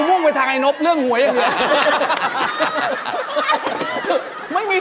ผมมุ่งไปทางไอ้นพเรื่องหัวอย่างเงิน